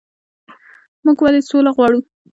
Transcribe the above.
موږ ولې سوله غواړو؟